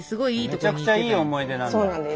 めちゃくちゃいい思い出なんだ。